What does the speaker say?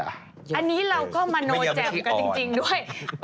อันนี้เราก็มโนแจ่มกันจริงด้วย